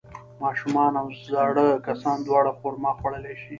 ماشومان او زاړه کسان دواړه خرما خوړلی شي.